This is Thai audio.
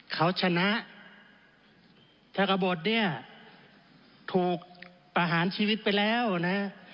เขาชนะถ้ากระบดเนี่ยถูกประหารชีวิตไปแล้วนะ